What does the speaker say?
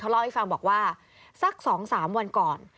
เล่าให้ฟังบอกว่าสัก๒๓วันก่อน